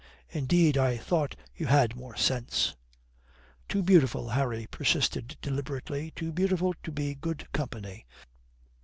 "Indeed, I thought you had more sense." "Too beautiful," Harry persisted deliberately; "too beautiful to be good company."